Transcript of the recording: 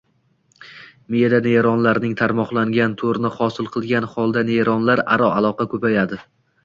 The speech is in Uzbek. miyada neyronlarning tarmoqlangan to‘rni hosil qilgan holda neyronlararo aloqalar ko‘payadi.